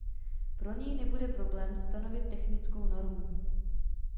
Pro něj nebude problém stanovit technickou normu.